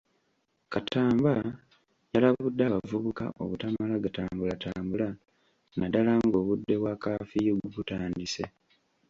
Katamba yalabudde abavubuka obutamala gatambulatambula naddala ng'obudde bwa kaafiyu butandise.